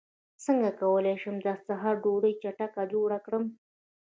څنګه کولی شم د سحر ډوډۍ چټکه جوړه کړم